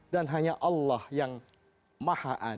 dan hanya allah yang membuatnya sendiri